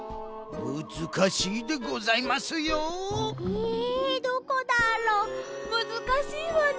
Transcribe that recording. えどこだろ？むずかしいわね。